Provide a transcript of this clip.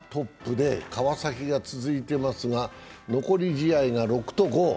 どうなったか、横浜がトップで川崎が続いていますが、残り試合が６と５。